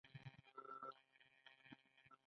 آیا نوی کال د بزګر په میله نه لمانځل کیږي؟